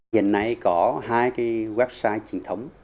hiện nay có hai cái website trình thống